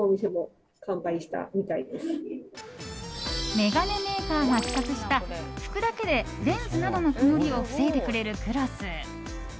眼鏡メーカーが企画した拭くだけでレンズなどの曇りを防いでくれるクロス。